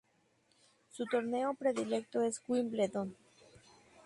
Su torneo predilecto es Wimbledon.